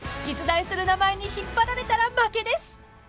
［実在する名前に引っ張られたら負けです］